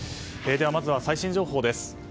まずは最新情報です。